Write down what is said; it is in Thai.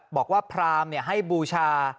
บอกว่าพรามให้บูชา